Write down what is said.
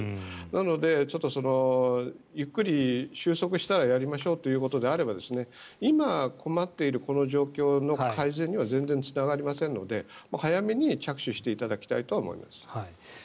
なので、ゆっくり、収束したらやりましょうということであれば今、困っているこの状況の改善には全然つながりませんので早めに着手していただきたいと思います。